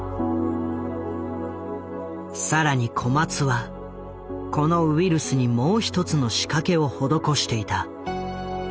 更に小松はこのウイルスにもう一つの仕掛けを施していた。